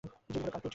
JD হলো culprit.